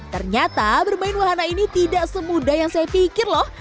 ternyata bermain wahana ini tidak semudah yang saya pikir loh